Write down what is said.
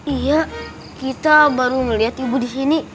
iya kita baru melihat ibu disini